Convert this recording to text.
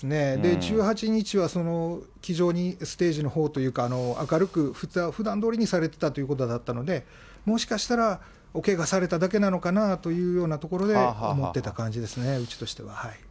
１８日は気丈にステージのほうというか、明るくふだんどおりにされてたということだったので、もしかしたらおけがされただけなのかなというところでと思ってた感じですよね、うちとしては。